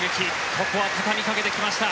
ここは畳みかけてきました。